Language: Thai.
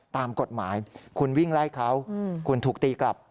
ตามกฎหมายคุณวิ่งไล่เขาคุณถูกตีกลับ